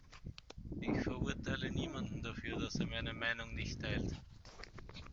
Ich verurteile niemanden dafür, dass er meine Meinung nicht teilt.